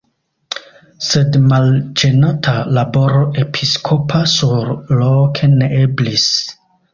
Sed malĝenata laboro episkopa surloke ne eblis.